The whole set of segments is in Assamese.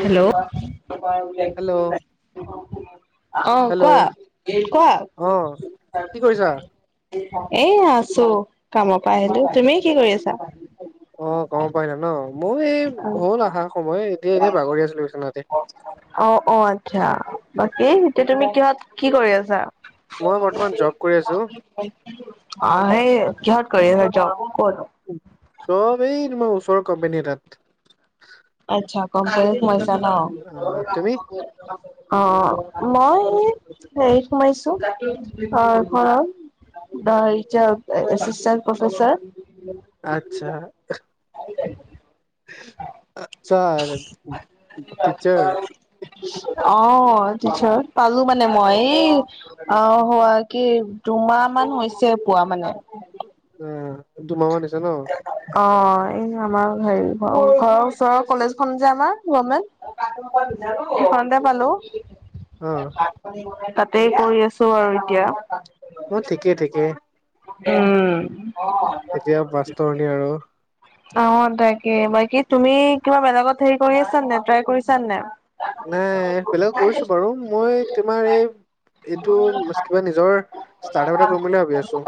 হেল্ল [inaudible] হেল্ল' অহ, হেল্ল' কোৱা কোৱা অ কি কৰিছা এহ আছো, কামৰ পৰা আহিলোঁ, তুমি কি কৰি আছা? অ গম পাইন নহ, ম‍ই এই হল আহা সময় এতিয়া এনে বাগৰি আছিলোঁ বিচনাতে। অ অ আচ্ছা বাকী এতিয়া তুমি কিহত কি কৰি আছা। মই বৰ্তমান জব কৰি আছো [unintelligible] আহ এই কিহত কৰি আছা জব কত? জব এই মই ওচৰৰ কোম্পানীৰ এটাত, আচ্ছা কম কৰি সোমাইছা নহ আহ তুমি অহ মই হেৰিত সোমাইছোঁ অহ ঘৰৰ, দহ হেৰিত যে এচিষ্টেণ্ট প্ৰফেচাৰ, আচ্ছা, আহিলে, আচ্ছা টিচাৰ অহ টিচাৰত পালোঁ মানে মই এই আহ হোৱা কি দুমাহ মান হৈছে পুৱা মানে, অহ দুমাহ মান হৈছে নহ। অ এই আমাৰ হেৰি ঘৰৰ ওচৰৰ কলেজ খন যে আমাৰ গমেণ্ট, এই খনতে পালো। অ, তাতে কৰি আছোঁ আৰু এতিয়া। অ ঠিকেই ঠিকেই, উম এতিয়া মাস্তৰণি আৰু অ তাকে বাকী তুমি কিবা বেলেগত হেৰি কৰি আছানাই ট্ৰাই কৰিছানাই, নাই বেলেগত কৰিছো বাৰু মই তোমাৰ এই এইটো কিবা নিজৰ ষ্টাৰ্টআপ এটা কৰিম বুলি ভাবি আছো।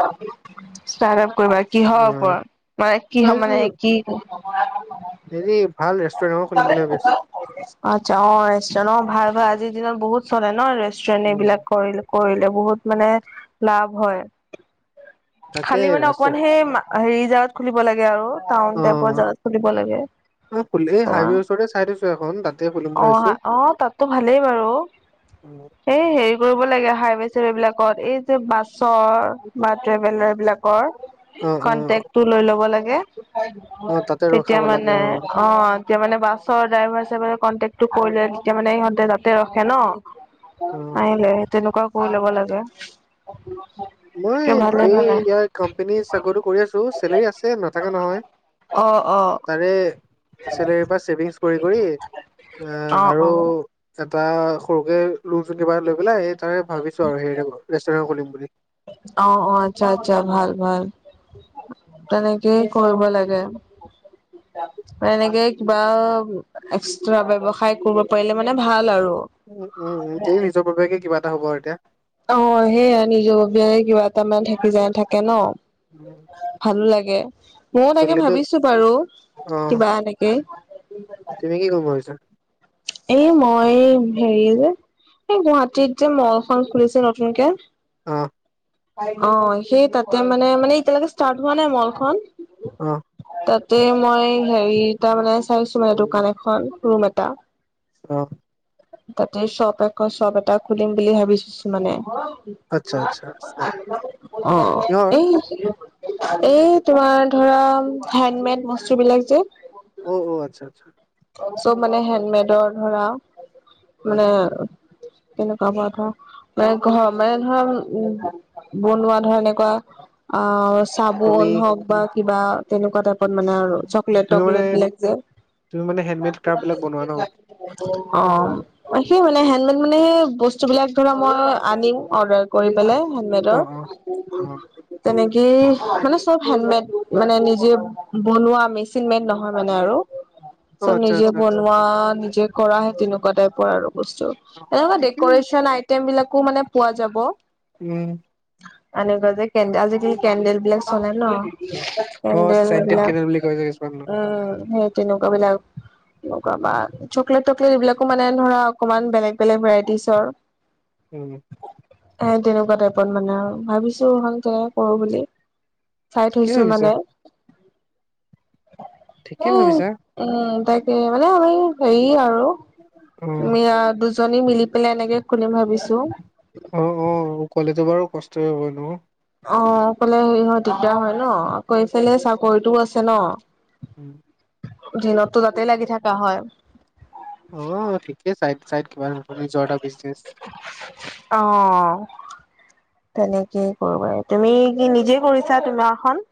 ষ্টাৰ্ট আপ কৰিবা অ কিহৰ ওপৰত মানে কিহ ভাবিছো মানে কি। হেৰি ভাল ৰেষ্টুৰেণ্ট এ খুলিম বুলি ভাবি আছো। আচ্ছা অ ৰেষ্টুৰেণ্ট অ ভাল ভাল আজিৰ দিনত বহুত চলে ন ৰেষ্টুৰেন্ট উম এইবিলাক কৰিলো। কৰিলে বহুত মানে লাভ হয় তাকে খালি মানে অকমান ৰেষ্টুৰেণ্ট সেই হেৰি জাগাত খুলিব লাগে আৰু টাউন অ টাইপৰ জাত খুলিব লাগে। অ খুলিলে এই অকমান হাইৱেৰ ওচৰতে চাই থৈছো এখন তাতে খুলিম বুলি অ ভাবিছো। অ তাততো ভালেই বাৰু উম, এই হেৰি কৰিব লাগে হাইৱে চাইৱে বিলাকত এই যে বাছৰ বা ট্ৰেভেলাৰ বিলাকৰ। অ অ কনটেকটো লৈ ল'ব লাগে অ তাতে তেতিয়া ৰখাব লাগে মানে অ, তেতিয়া মানে বাছৰ ড্ৰাইভাৰ চাইভাৰ কন্টেক্ট কৰিলে তেতিয়া মানে ইহঁতে তাতে ৰখে ন। অ আহিলে তেনেকুৱা ও কৰি ল'ব লাগে। মই ভালে এই ভালে ইয়াৰ কোম্পানী চাকৰিটো কৰি আছো চেলেৰী আছে নাথাকে নহয়। অ অ, তাৰে চেলেৰীৰ পৰা ছেভিংছ কৰি কৰি এই অ আৰু অ এটা সৰুকে ৰুম ভাৰাত লৈ পেলাই তাৰে ভাবিছো আৰু হেৰি ৰেষ্টুৰেণ্ট খুলিম বুলি। অ অ আচ্ছা আচ্ছা ভাল ভাল। তেনেকেই কৰিব লাগে। এনেকে কিবা এক্সট্ৰা ব্যৱসায় কৰিব পাৰিলে মানে ভাল আৰু উম উম এই নিজৰ ববিয়াকে কিবা এটা হব আৰু এতিয়া। অ সেইয়াই নিজৰ ববিয়াকে কিবা এটা মান থাকি যায় থাকে ন। উম, ভালো লাগে মইয়ো তাকে চলিলেতো ভাবিছো বাৰু অ কিবা এনেকে। তুমি কি কৰিম ভাবিছা। এই মই হেৰি যে এই গুৱাহাটীত যে মল খন খুলিছে নতুনকে। অ অ সেই তাতে মানে মানে এতিয়ালৈকে ষ্টাৰ্ট হোৱা নাই মলখন। অ। তাতে মই হেৰি তাৰ মানে চাইছো মানে দোকান এখন ৰুম এটা। অ। তাতে শ্বপ আকৌ শ্বপ এটা খুলিম বুলি ভাবিছো মানে। আচ্ছা আচ্ছা। চক অ কিহৰ এই এই তোমাৰ ধৰা হেনমেড বস্তুবিলাক যে অ অ আচ্ছা আচ্ছা। চব মানে হেণ্ডমেডৰ ধৰা মানে তেনেকুৱাবোৰ ধৰ। মানে ঘৰ মানে ধৰা উম বনোৱা ধৰ এনেকুৱা আ আচ্ছা তুমি চাবোন হওক বা কিবা তেনেকুৱা টাইপ পত মানে আৰু চকলেট - তুমি মানে টকলেট বিলাক যে। তুমি মানে হেনমেড ক্ৰাফবিলাক বনোৱা ন? অ। সেই মানে, হেনমেড মানে সেই বস্তুবিলাক ধৰা মই আনিম, অৰ্ডাৰ কৰি পেলাই, হেনমেডৰ। অ', অ', অ। তেনেকেই মানে চব হেণ্ডমেড মানে নিজে বনোৱা মেচিন মেড নহয় মানে আৰু। অ', চব আচ্ছা নিজে আচ্ছা বনোৱা, নিজে কৰাহে তেনেকুৱা টাইপৰ আৰু বস্তু। অ', এনেকুৱা ঠিকেই ডেক'ৰেচন আইটেমবিলাকো মানে পোৱা যাব। উম। এনেকুৱা যে কেন্দেল আজিকালি কেন্দেল বিলাক চলে ন। অ', কেন্দেল চেণ্টেড সেইবিলাক, কেনেল বুলি কয় যে কিছুমান ন। উম সেই তেনেকুৱা বিলাক। এনেকুৱা বা, চকলেট - টকলেট এইবিলাকো মানে ধৰা অকমান বেলেগ - বেলেগ ভেৰাইটিচৰ। ওম। এ তেনেকুৱা টাইপত মানে আৰু ভাবিছো ভালকে কৰোঁ বুলি। চাই ঠিকে থৈছোঁ ভাবিছা মানে। ঠিকে এই, ভাবিছা উম তাকে, মানে আমাৰ হেৰি আৰু অ', তুমি, আ দুজনী মিলি পেলাই এনেকে খুলিম ভাবিছো। উম উম, অকলেতো বাৰু কষ্ট হব নো? অ অকলে হেৰি হয় দিগদাৰ হয় ন আকৌ এইফালে চাকৰিটোও আছে ন। ওম। [inaudible] দিনতটো তাতেই লাগি থাকা হয়। অ ঠিকে, চাইড - চাইড কিবা নিজৰ যোৱা এটা বিজনেছ। অ। তেনেকেই কৰোঁ বাৰু। তুমি কি নিজে কৰিছা তোমাৰখন?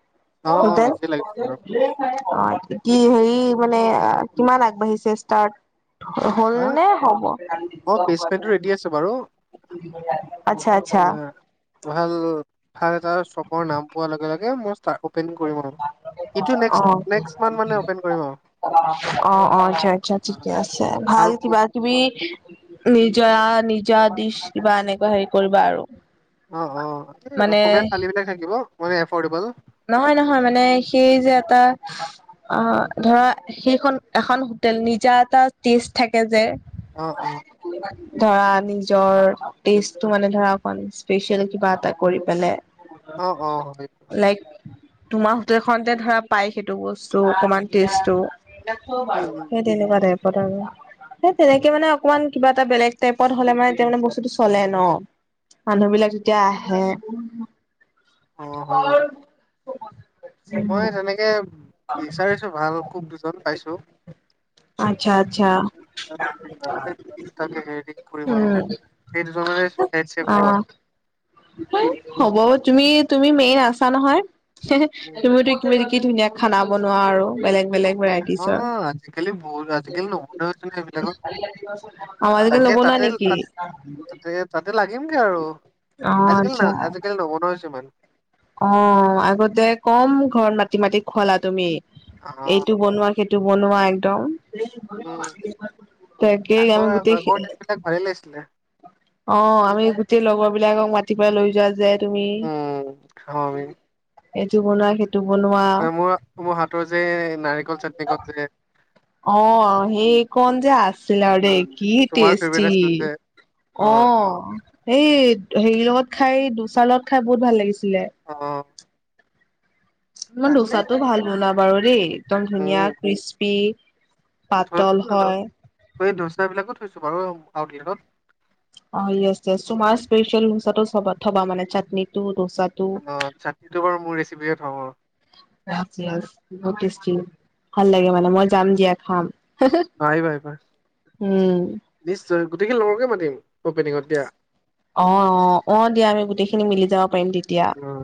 অ', অ', হোটেল? নিজে অ। লাগিব বাৰু কি হেৰি মানে, কিমান আগবাঢ়িছে ষ্টাৰ্ট? অ', হলনে, হ'ব? অ', বেচমেন্টটো ৰেডি আছে বাৰু আচ্ছা আচ্ছা। তোমাৰ ভাল, ভাল এটা স্বপৰ নাম পোৱাৰ লগে লগে মই ষ্টা- অপেনিং কৰিম আৰু। এইটো অ নেক্সট- নেক্সট মান্থ মানে অপেন কৰিম আৰু। অ অ, আচ্ছা আচ্ছা ঠিকে আছে। ভাল কিবা কিবি, নিজা -নিজা দিছ কিবা এনেকুৱা হেৰি কৰিবা আৰু। অ অ, সেইটোৱেই মানে অসমীয়া থালিবিলাক থাকিব মানে এফৰ্ডেবল। নহয় নহয় মানে, সেই যে এটা অ ধৰা সেইখন এখন হোটেল নিজা এটা টেষ্ট থাকে যে। অ অ [unintelligible] ধৰা নিজৰ টেষ্টটো মানে ধৰা, অকনমান স্পেচিয়েল কিবা এটা কৰি পেলাই অ অ হয় লাইক তোমাৰ হোটেল খনতে ধৰা পাই সেইটো বস্তু, অকমান টেষ্টটো। উম উম এনেকোৱা টাইপৰ আৰু। সেই তেনেকে মানে অকমান কিবা এটা বেলেগ টাইপত হলে মানে এতিয়া মানে বস্তুটো চলে ন। মানুহ বিলাক তেতিয়া আহে। অ হয় বাৰু মই তেনেকে বিচাৰিছো, ভাল খুব দুজন পাইছোঁ। আচ্ছা আচ্ছা। [unintelligible] তাকে হেৰি দি কৰিম আৰু। উম সেইজনৰে হেতছেক অ হব আৰু। হ'ব তুমি, তুমি মেইন আছা নহয়। তুমি তো কি কি ধুনীয়া খানা বনোৱা আৰু, বেলেগ বেলেগ অ ভেৰাইটিজৰ। আজিকালি বহুত আজিকালি নুশুনা হৈছো ন এইবিলাকত অঁ, আজি কালি তাকে নবনোৱা তাতে নেকি? তাতে অ। [unintelligible] তাতে তাতে লাগিমগে আৰু, আজিকালি না, আজিকালি নবনোৱা হৈছোঁ ইমান। অঁ। আগতে কম ঘৰত মাটি মাটি খুৱালা তুমি। অ এইটো বনোৱা সেই - টো বনোৱা একদম, উম তাকেই আমি গোটেই- এইবিলাক ভালে লাগছিলে। অঁ আমি গোটেই লগৰ বিলাকক মাতি পাই লৈ যোৱা যে তুমি। উম খাওঁ আমি এইটো বনোৱা, সেইটো বনোৱা। এ মোৰ মোৰ হাতৰ যে নাৰিকল চাটনি কণ যে অঁ, সেই কন যে আছিলে আৰু ৰে, উম কি তোমাৰ ফেভৰেট টেষ্টি। আছিল যে অ অঁ, সেই হেৰি লগত খাই, দুচাৰ লগত খাই বহুত ভাল লাগিছিলে। অঁ মই দোচাটো ভাল বনাও বাৰু দেই একদম ধুনীয়া, উম টেষ্টি - থৈ থৈ এই দচা বিলাকো থৈছো বাৰু আউটলেটত। অ য়েছ তোমাৰ স্পেচিয়েল দোচাটো চ থবা মানে, চাটনিটো ডোচাটো। অঁ, ছাটনিটো বাৰু মোৰ ৰেচিপিয়ে থম আৰু। বহুত তেষ্টি ভাল লাগে মানে মই যাম দিয়া খাম। আহিবা আহিবা, উম। নিশ্চয় গোটেইখিনি লগৰকে মাতিম অপেনিঙত দিয়া। অঁ অঁ অঁ দিয়া আমি গোটেইখিনি মিলি যাব পাৰিম তেতিয়া। উম।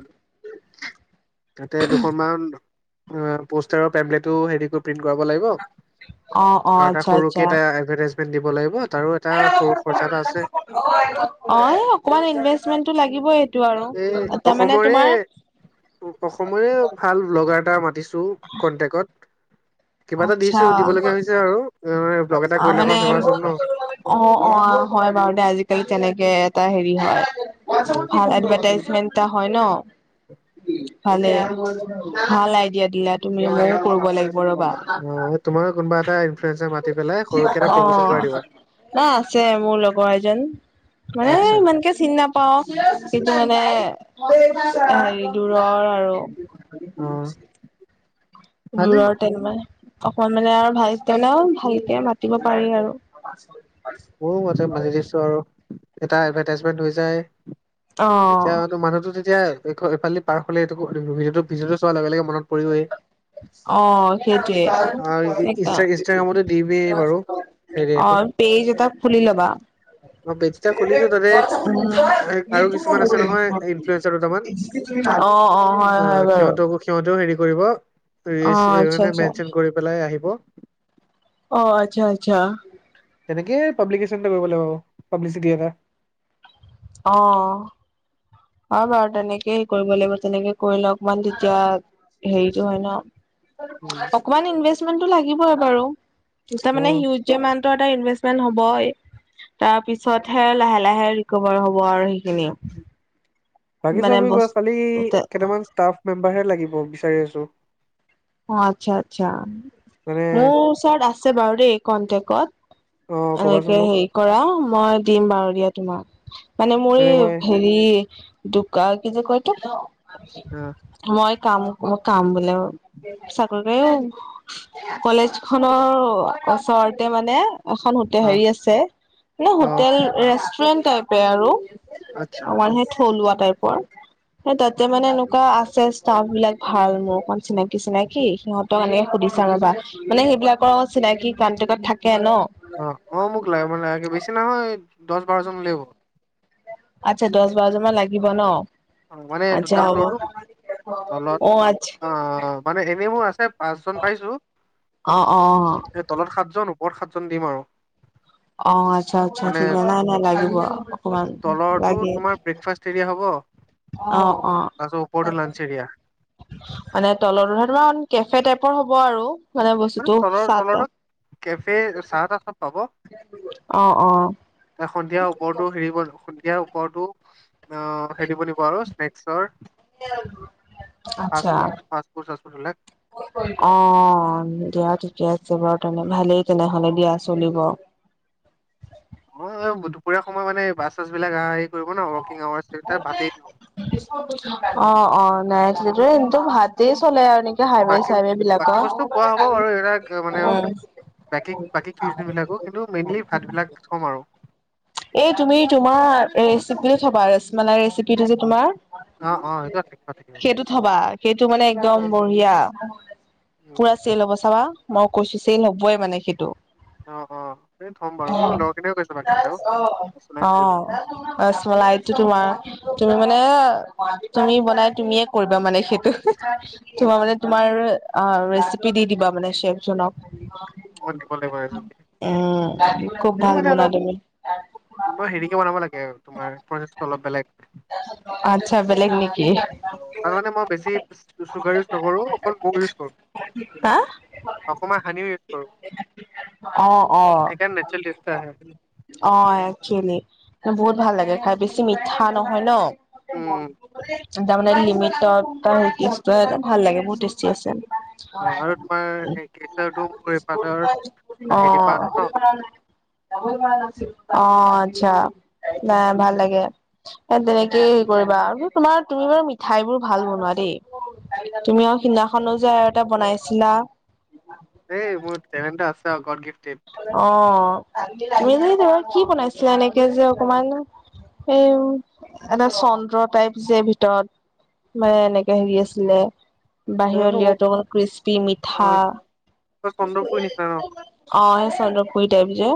তাতে দুখনমান অঁ পোষ্টাৰৰ টেবলেটো হেৰি কৰি প্ৰিন্ট কৰাব লাগিব। অ', অ', আৰু এটা আচ্ছা সৰুকে আচ্ছা। এটা এডভাৰটাইজমেন্ট দিব লাগিব, তাৰো এটা সৰু খৰচা এটা আছে। অঁ এই অকমান ইনভেষ্টমেন্টটো লাগিবই এইটো আৰু। এই তাৰমানে অসমৰে তোমাৰ অসমৰে ভাল ব্লগাৰ এটা মাতিছো কন্টেকত। কিবা এটা আচ্ছা দিছো, দিব লগগীয়া হৈছে আৰু ব্লগ এটা কৰিলে ফেমাচ হম ন। অঁ অঁ হয় বাৰু দে আজিকালি তেনেকে এটা হেৰি হয়। উম ভাল এডভাৰটাইজমেন্টটা হয় ন। [inaudible] ভালে, ভাল আইডিয়া দিলা তুমি মইয়ো কৰিব লাগিব ৰবা। অ তোমাৰ কোনোবা এটা- ইনফ্লুৱেঞ্চাৰ মাতি পেলাই সৰুকে এটা প্ৰমোচন অঁ, কৰাই দিবা নাই আছে মোৰ লগৰ এজন। মানে আচ্ছা ইমানকে চিনা- পাও সেইটো মানে হেৰি দূৰৰ আৰু। অঁ। দূৰৰ তেনমাই, অকণ মানে আৰু ভাল তেনেও ভালকে মাতিব পাৰি আৰু। প [unintelligible] মোৰ মতে মাতি দিছো আৰু, এটা এডভাৰটাইজমেন্ট হৈ যায়। অ তেতিয়া সৈতো মানুহটো তেতিয়া- এই এইফালেদি পাৰ হ'লে এইটো ভিডিঅটো চোৱাৰ লগে লগে মনত পৰিবই। অঁ সেইটোৱে, আৰু ইনষ্টা ইনষ্টাগ্ৰামতো দিমেই বাৰু হেৰি এখন অঁ। পেইজ এটা খুলি ল'বা। অ পেজ এটা খুলিছো তাতে উম। আৰু কিছুমান আছে নহয় ইনফ্লুৱেঞ্চাৰ দুটামান অঁ অঁ হয় অ হয় বাৰু। সিহঁতকো সিহঁতেও হেৰী কৰিব, ৰী অ চি আচ্ছা মানে আচ্ছা মেনচন কৰি পেলাই আহিব। অঁ আচ্ছা আচ্ছা। তেনেকে পাব্লিকেচন এটা কৰিব লাগিব বাৰু, পাব্লিচিটি এটা। অহ। হয় বাৰু তেনেকে হেৰী কৰিব লাগিব। তেনেকে কৰিলে অকমান তেতিয়া হেৰীটো হয় উম ন। অকমান ইনভেষ্টমেণ্টো লাগিবই বাৰু, অ তাৰমানে হিউ মান্তৰ এটা ইনভেষ্টমেণ্ট হ'বই। তাৰপিছত হে লাহে লাহে ৰিকভাৰ হ'ব আৰু সেইখিনি। বাকী চব মানে হৈ গ'ল, খালি বস্তু কেইটামান ষ্টাফ মেম্বাৰহে লাগিব, বিচাৰি আছোঁ। অঁ আচ্ছা আচ্ছা। মানে মোৰ ওচৰত আছে বাৰু দেই অ কন্টেকত। কবাচোন এনেকে মোক হেৰী কৰা, মই দিম বাৰু দিয়া তোমাক। মানে মোৰে এই হেৰী হেৰী দোকা কি যে কয় এইটো অঁ। মই কাম মই কাম বোলে অঁ চাকৰিটোৱে কৰিম। কলেজ খনৰ ওচৰতে মানে এখন হো হোটে অ হেৰী আছে, মানে অ হোটেল ৰেষ্টুৰেন্ট টাইপে আৰু। আচ্ছা আমাৰ সেই থলুৱা টাইপৰ। সেই তাতে মানে এনেকুৱা আছে ষ্টাফ বিলাক ভাল মোৰ অকমান চিনা কি চিনাকি সিহঁতক এনেকে সুধি চাম ৰবা, মানে সেইবিলাকৰ লগত চিনাকি কান্তেকত থাকে ন? অঁ অঁ মোক লাগে মানে বেছি নহয় দছ বাৰজন হ'লে হ'ব। আচ্ছা দছ বাৰজন মান লাগিব ন? অ মানে আচ্ছা দুটা ফ্ল'ৰটো হ'ব, তলত অঁ আচ অ মানে এনেই মোৰ আছে পাঁচজন পাইছোঁ। অ অ তলত সাতজন ওপৰত সাতজন দিম আৰু। অঁ আচ্ছা আচ্ছা মানে ঠিকে নাই নাই লাগিব অকমান লাগে। তেতিয়া হ'ব। অঁ অঁ। তাৰপিছত ওপৰতো লাঞ্চ এৰিয়া মানে তলত সেইটো তোমাৰ কেফে টাইপৰ হ'ব আৰু মানে বস্তুটো তলৰ চাহ তলৰটোত কেফে তাহ চাহ তাহ চব পাব অঁ অঁ। এ সন্ধিয়া ওপৰটো হেৰী সন্ধিয়া ওপৰতো অঁ হেৰী বনিব আৰু স্নেকচৰ আচ্ছা। ফাষ্ট ফুড চাষ্ট ফুড বিলাক অঁ দিয়া ঠিকে আছে বাৰু তেনে ভালেই তেনেহলে দিয়া চলিব। অঁ দুপৰীয়া সময়ত মানে বাছ চাছ বিলাক আহা আহি কৰিব ন ৱকিং আৱাৰচ তাত ভাতে দিব। অঁ অঁ নাই সেইটোৱে কিন্তু ভাত তেই চলে আৰু অ, নেকি হাইৱে বাকী চাইৱে বিলাক বাকী বস্তু পোৱা হ'ব বাৰু এইবিলাক মানে উম। বাকী বাকী কিউচন বিলাকো [unintelligible] কিন্তু মেইনলি ভাত বিলাক থম আৰু। এই তুমি তোমাৰ ৰেচিপিটো থবা ৰসমলাই ৰেচিপিটো যে তোমাৰ। অঁ অঁ সেইটোৱে থাকিব থাকিব। সেইটো থবা সেইটো মানে একদম বঢ়িয়া উম পুৰা চেল হ'ব চাবা। মই কৈছোঁ চেইল হ'বই মানে সেইটো। অঁ অঁ সেই থ'ম বাৰু মোৰ লগৰ কেইটাও কৈছে বাকী কেইটাও। চলাই থৈ অঁ বুলি ৰসমলাইটো তোমাৰ তুমি মানে তুমি বনাই তুমিয়ে কৰিবা মানে সেই মোক তোমাৰ মানে তোমাৰ আ ৰেচিপি দি দিবা মানে চেফ জনক। মোক দিব লাগিব ৰেচিপি উম খুব ভাল বনোৱা তুমি। ব হেৰিকে বনাব লাগে তোমাৰ অলপ বেলেগ। আচ্ছা বেলেগ নেকি? তাৰ মানে মই বেছি চুগাৰ ইউজ নকৰো অকল মগ ইউজ কৰো। তা অকমান সানিও ইউজ কৰো, অ', অ'। সেইকাৰণ নেচেল টেষ্ট আহে। অ একচুৱেলি, বহুত ভাল লাগে খাই বেছি মিঠা নহয় ন। উম তাৰমানে লিমিটত ভাল লাগে বহুত টেষ্টি আছে। অ আৰু তোমাৰ সেই কেচাৰটো মোৰ এইফালৰ অ। হেৰি পৰা আনো ন অ আচ্ছা না ভাল লাগে। তেনেকে হেৰি কৰিবা আৰু তোমাৰ তুমি বাৰু মিঠাইবোৰ ভাল বনোৱা দেই। তুমি আৰু সিদিনাখনো যে আৰু এটা বনাইছিলা? এই মোৰ চেনেলেণ্টা আছে গড গিফ্ট। অ মিলি ত কি বনাইছিলা এনেকে যে অকমান সেও এটা চন্দ্ৰ টাইপ যে ভিতৰত। মানে এনেকে হেৰি আছিলে জানো মোক বাহিৰলৈত ক্ৰিস্পি মিঠা। চন্দ্ৰপুৰ নিচিনা ন। অ সেই চন্দ্ৰপুুৰী টাইপ যে।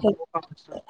সেই